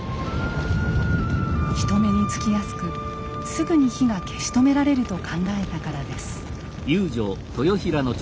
人目につきやすくすぐに火が消し止められると考えたからです。